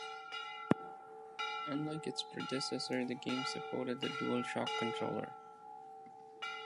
Unlike its predecessor, the game supported the DualShock Controller.